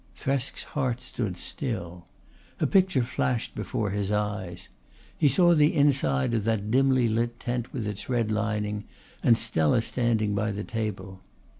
Thresk's heart stood still. A picture flashed before his eyes. He saw the inside of that dimly lit tent with its red lining and Stella standing by the table.